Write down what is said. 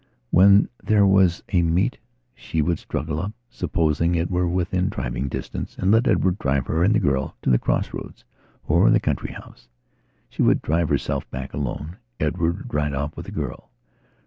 When there was a meet she would struggle upsupposing it were within driving distanceand let Edward drive her and the girl to the cross roads or the country house. She would drive herself back alone; Edward would ride off with the girl.